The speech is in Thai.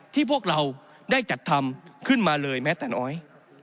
พวกเราได้จัดทำขึ้นมาเลยแม้แต่น้อย